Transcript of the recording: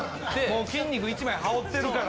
もう筋肉一枚羽織ってるから。